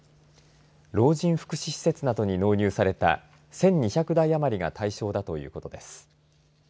老人福祉施設などに納入された１２００台余りが対象だということです。